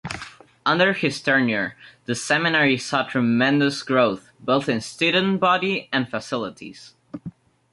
Under his tenure, the seminary saw tremendous growth, both in student body and facilities.